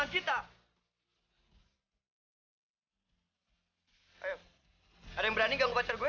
ada yang berani ganggu konser gue